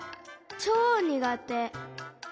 ちょうにがて。